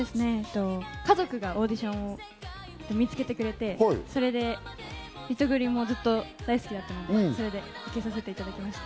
家族がオーディションを見つけてくれて、リトグリもずっと大好きだったので受けさせてもらいました。